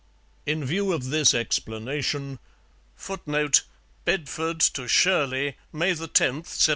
In view of this explanation, [Footnote: Bedford to Shirley, May 10, 1748.